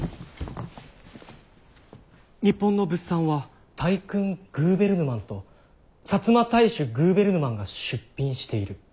「日本の物産は『大君グーヴェルヌマン』と『摩太守グーヴェルヌマン』が出品している」。